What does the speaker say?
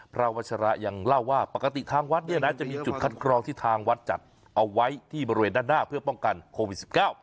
วัชระยังเล่าว่าปกติทางวัดเนี่ยนะจะมีจุดคัดกรองที่ทางวัดจัดเอาไว้ที่บริเวณด้านหน้าเพื่อป้องกันโควิด๑๙